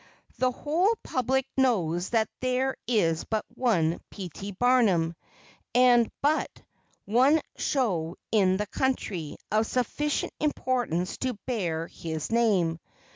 The whole public knows that there is but one P. T. Barnum, and but one show in the country of sufficient importance to bear his name.